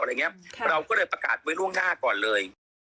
อะไรเงี้ยเราก็เลยประกาศไว้ล่วงหน้าก่อนเลย